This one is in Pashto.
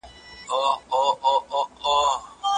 سیمه ایزي ستونزي څنګه مجلس ته رسیږي؟